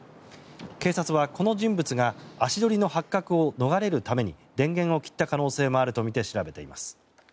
警察はこの人物が足取りの発覚を逃れるために電源を切った可能性もあるとみて調べています。